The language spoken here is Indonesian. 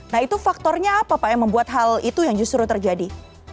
nah itu faktornya apa pak yang membuat hal itu yang justru terjadi